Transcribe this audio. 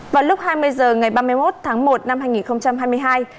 vào lúc hai mươi h ngày ba mươi một tháng một năm hai nghìn hai mươi hai